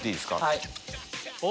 はい。